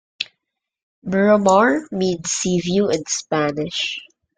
'Miramar' means "sea view" in Spanish.